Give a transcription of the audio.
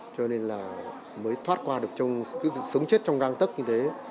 cho nên là mới thoát qua được cái sống chết trong găng tấc như thế